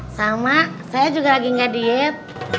sama saya juga lagi nggak diet